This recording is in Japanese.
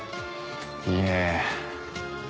いいね。